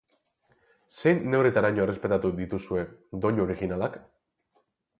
Zein neurritaraino errespetatu dituzue doinu originalak?